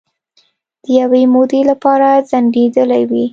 د یوې مودې لپاره ځنډیدېلې وې